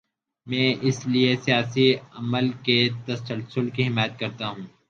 میں اسی لیے سیاسی عمل کے تسلسل کی حمایت کرتا ہوں۔